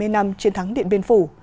bảy mươi năm chiến thắng điện biên phủ